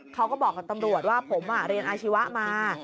เขาก็บอกกับตำรวจว่าผมเรียนอาชีวะมา